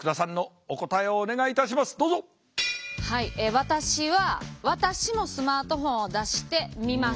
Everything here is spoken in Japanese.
私は私もスマートフォンを出して見ます。